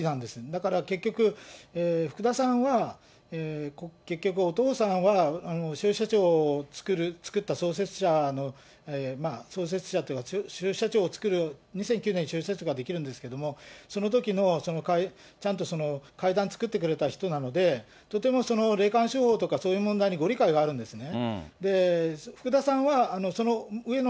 だから結局、福田さんは結局お父さんは消費者庁を作った創設者の、創設者というか、消費者庁を作る、２００９年に消費者庁ができるんですけれども、そのときのちゃんと、作ってくれた人なので、とてもその霊感商法とかそういう問題にご理解があるんですね。